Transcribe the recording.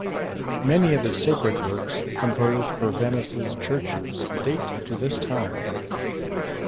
Many of his sacred works, composed for Venice's churches, date to this time.